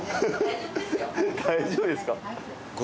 大丈夫ですか？